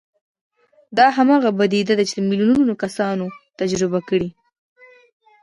دا هماغه پديده ده چې ميليونونه کسانو تجربه کړې.